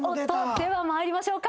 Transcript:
では参りましょうか。